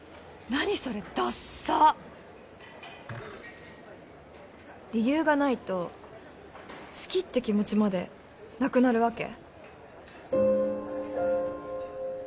何それダッサ理由がないと好きって気持ちまでなくなるわけ？